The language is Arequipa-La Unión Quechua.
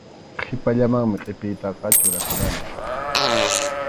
Qhipallamanmi qʼipiytaqa churakurqani.